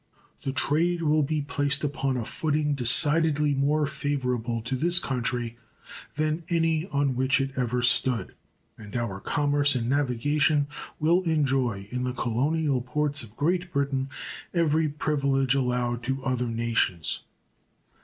The trade will be placed upon a footing decidedly more favorable to this country than any on which it ever stood, and our commerce and navigation will enjoy in the colonial ports of Great Britain every privilege allowed to other nations.